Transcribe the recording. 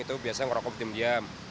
itu biasanya rokok tim diam